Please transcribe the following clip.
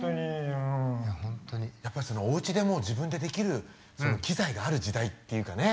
やっぱりおうちで自分でできる機材がある時代っていうかね。